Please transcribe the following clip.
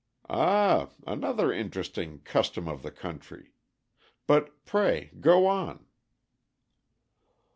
"Ah! another interesting custom of the country. But pray go on."